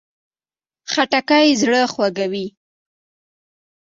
خټکی زړه خوښوي.